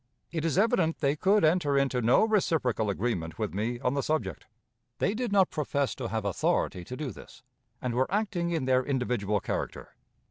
It is evident they could enter into no reciprocal agreement with me on the subject. They did not profess to have authority to do this, and were acting in their individual character.